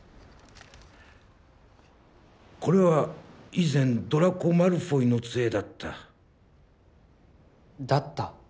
これは以前ドラコ・マルフォイの杖だった「だった」？